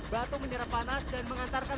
batu menyeram panas dan mengantarkan pemasaran